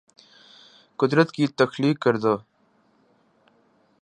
قدرت کی تخلیق کردہ